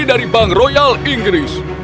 dari bank royal inggris